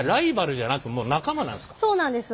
そうなんです。